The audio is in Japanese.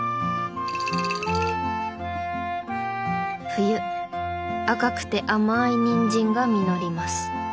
冬赤くて甘いニンジンが実ります。